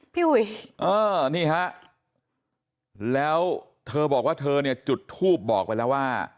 พี่อุ๋ยเออนี่ฮะแล้วเธอบอกว่าเธอเนี่ยจุดทูบบอกไปแล้วว่า